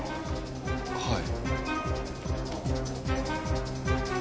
はい。